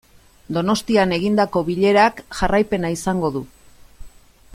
Donostian egindako bilerak jarraipena izango du.